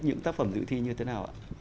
những tác phẩm dự thi như thế nào ạ